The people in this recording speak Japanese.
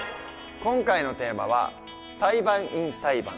今回のテーマは「裁判員裁判」。